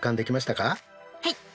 はい！